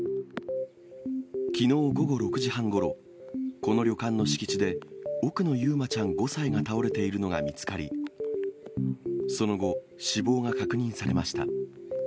きのう午後６時半ごろ、この旅館の敷地で奥野結真ちゃん５歳が倒れているのが見つかり、その後、死亡が確認されました。